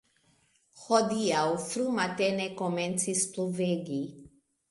Hodiaŭ frumatene komencis pluvegi.